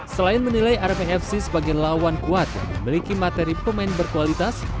selain menilai rfc sebagai lawan kuat yang memiliki materi pemain berkualitas